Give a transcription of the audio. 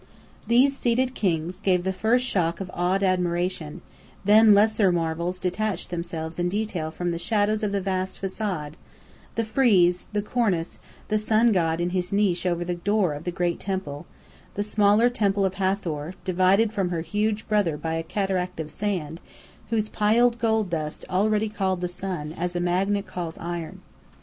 These seated kings gave the first shock of awed admiration; then lesser marvels detached themselves in detail from the shadows of the vast façade; the frieze, the cornice, the sun god in his niche over the door of the Great Temple: the smaller Temple of Hathor, divided from her huge brother by a cataract of sand, whose piled gold dust already called the sun, as a magnet calls iron.